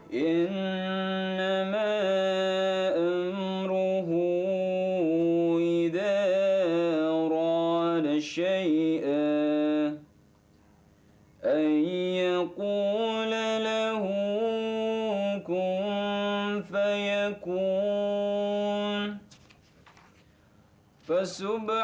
jangan biarkan jodi ataupun katanya membuatnya menderita